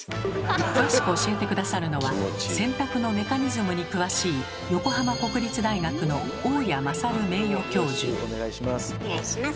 詳しく教えて下さるのは洗濯のメカニズムに詳しいお願いします。